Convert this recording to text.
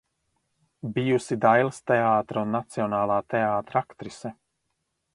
Bijusi Dailes teātra un Nacionālā teātra aktrise.